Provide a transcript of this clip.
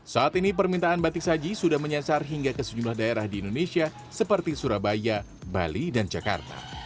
saat ini permintaan batik saji sudah menyasar hingga ke sejumlah daerah di indonesia seperti surabaya bali dan jakarta